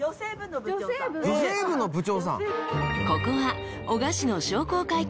［ここは］